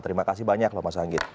terima kasih banyak loh mas anggit